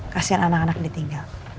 kasian anak anak ditinggal